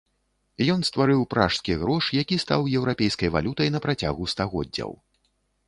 Ён стварыў пражскі грош, які стаў еўрапейскай валютай на працягу стагоддзяў.